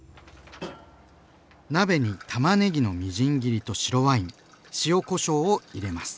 鍋にたまねぎのみじん切りと白ワイン塩こしょうを入れます。